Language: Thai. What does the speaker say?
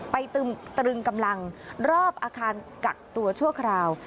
ตรึงกำลังรอบอาคารกักตัวชั่วคราว